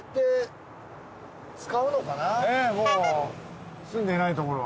もう住んでないところは。